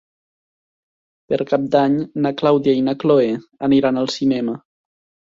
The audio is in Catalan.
Per Cap d'Any na Clàudia i na Cloè aniran al cinema.